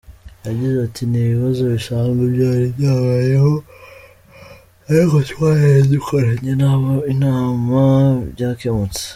Yagize ati “Ni ibibazo bisanzwe byari byabayeho ariko twaraye dukoranye nabo inama byakemutse.